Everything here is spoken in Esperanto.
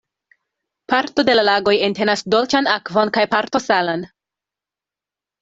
Parto de la lagoj entenas dolĉan akvon kaj parto salan.